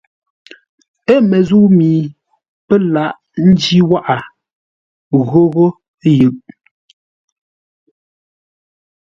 Ə̂ məzə̂u mi pə́ laghʼ ńjî wághʼə ghóghó yʉʼ.